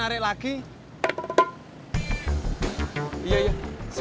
nah bagrage ojek bilang dikos hai